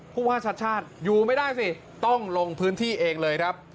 พูดว่าชัดอยู่ไม่ได้สิต้องลงพื้นที่เองเลยครับ